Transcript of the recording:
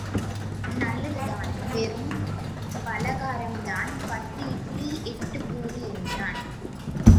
நல்லதுதான் வெறும் பலகாரம்தான் பத்து இட்லி எட்டுப் பூரி என்றார்.